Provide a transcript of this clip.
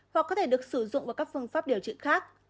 hoặc có thể được sử dụng vào các phương pháp điều trị khác